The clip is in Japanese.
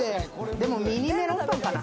でもミニメロンパンかな。